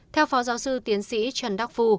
theo phó giáo sư tiến sĩ trần đắc phu